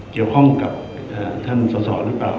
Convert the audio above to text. เกี่ยวข้องกับท่านสอสอหรือเปล่า